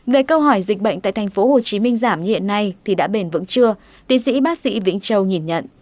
về câu hỏi dịch bệnh tại tp hcm giảm như hiện nay thì đã bền vững chưa tiến sĩ bác sĩ vĩnh châu nhìn nhận